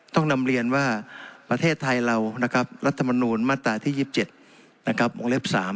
ต้องนำเรียนว่าประเทศไทยเรารัฐมนุนมาตราที่๒๗องค์เล็บ๓